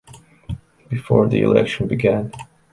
Before the election began.